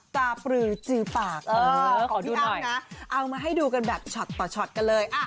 ตาปลือจื้อปากหลังนะเอามาให้ดูกันแบบช็อตต่อช็อตกันเลยอ่ะ